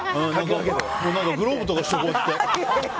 グローブとかして、こうやって。